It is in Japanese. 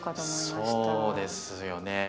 そうですよね。